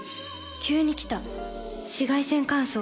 急に来た紫外線乾燥。